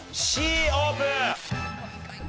Ｃオープン！